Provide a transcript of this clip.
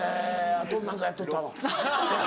あと何かやっとったわ。